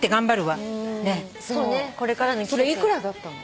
それ幾らだったの？